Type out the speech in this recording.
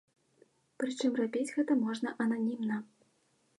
Прычым рабіць гэта можна ананімна.